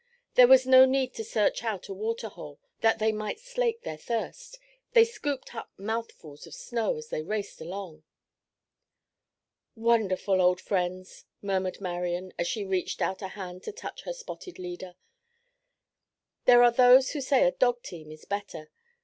There was no need to search out a water hole that they might slake their thirst; they scooped up mouthfuls of snow as they raced along. "Wonderful old friends," murmured Marian as she reached out a hand to touch her spotted leader. "There are those who say a dog team is better.